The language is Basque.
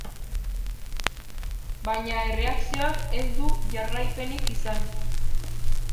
Baina erreakzioak ez du jarraipenik izan.